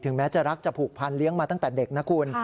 แม้จะรักจะผูกพันเลี้ยงมาตั้งแต่เด็กนะคุณ